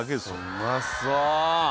うまそう！